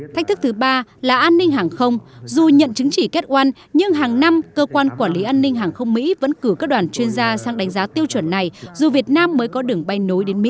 thách thức thứ ba là an ninh hàng không dù nhận chứng chỉ cat on nhưng hàng năm cơ quan quản lý an ninh hàng không mỹ vẫn cử các đoàn chuyên gia sang đánh giá tiêu chuẩn này dù việt nam mới có đường bay nối đến mỹ